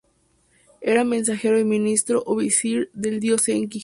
Era mensajero y ministro o visir del dios Enki.